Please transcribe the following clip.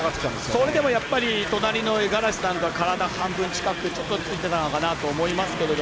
それでもやっぱり隣の五十嵐さんと体半分近くちょっと、差がついてたのかなと思いますが。